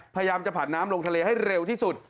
พยายามจะผ่านน้ำลงทะเลให้เร็วที่สุด